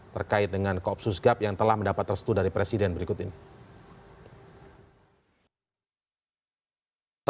terkait dengan koopsus gap yang telah mendapat restu dari presiden berikut ini